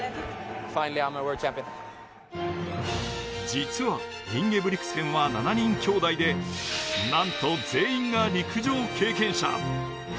実はインゲブリクセンは７人兄弟でなんと全員が陸上経験者。